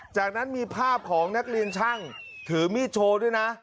จากนั้นมีภาพของนักเรียนช่างถือมีดโชว์ด้วยนะ